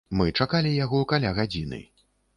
Мы чакалі яго каля гадзіны.